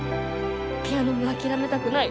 ピアノも諦めたくない。